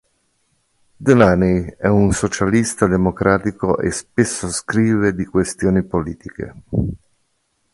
Delaney è un socialista democratico e spesso scrive di questioni politiche.